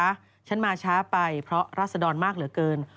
ฉันมาช้าไปเพราะรัศดรมากเหลือเกิน